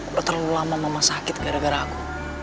udah terlalu lama mama sakit gara gara aku